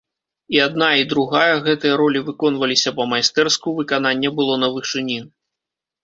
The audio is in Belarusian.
І адна, і другая, гэтыя ролі выконваліся па-майстэрску, выкананне было на вышыні.